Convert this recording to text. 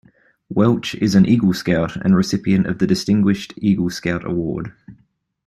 Welch is an Eagle Scout and recipient of the Distinguished Eagle Scout Award.